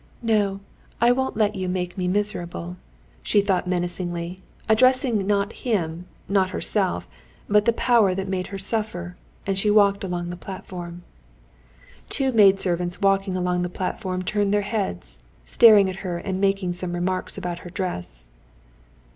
"No, I won't let you make me miserable," she thought menacingly, addressing not him, not herself, but the power that made her suffer, and she walked along the platform. Two maid servants walking along the platform turned their heads, staring at her and making some remarks about her dress.